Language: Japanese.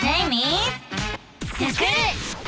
「スクる！」。